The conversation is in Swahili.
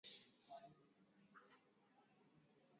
alibadilisha viongozi wa kiraia wa Kivu Kaskazini na Ituri